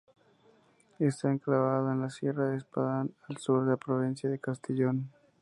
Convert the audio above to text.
Está enclavado en la Sierra de Espadán, al sur de la provincia de Castellón.